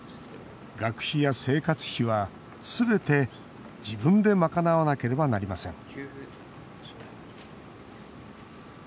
学費や生活費は、すべて自分で賄わなければなりません